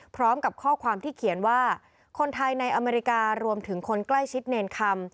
พร้อมกับข้อความที่เขียนว่าคนไทยในอเมริการวมถึงคนใกล้ชิดเนรคำ